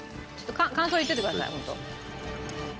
感想言っててくださいホント。